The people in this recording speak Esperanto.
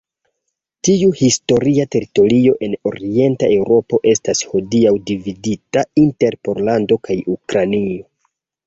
Tiu historia teritorio en Orienta Eŭropo estas hodiaŭ dividita inter Pollando kaj Ukrainio.